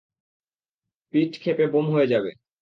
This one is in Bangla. পিট ক্ষেপে বোম হয়ে যাবে।